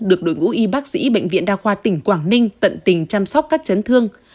được đội ngũ y bác sĩ bệnh viện đa khoa tỉnh quảng ninh tận tình chăm sóc các chấn thương